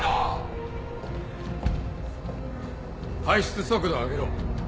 排出速度を上げろ。